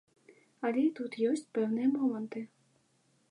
Але і тут ёсць пэўныя моманты.